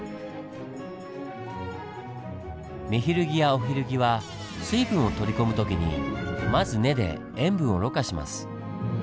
メヒルギやオヒルギは水分を取り込む時にまず根で塩分をろ過します。